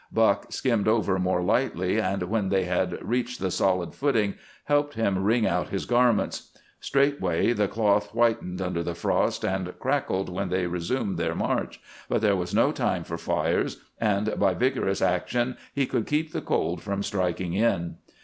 Buck skimmed over more lightly, and, when they had reached the solid footing, helped him wring out his garments. Straightway the cloth whitened under the frost and crackled when they resumed their march, but there was no time for fires, and by vigorous action he could keep the cold from striking in.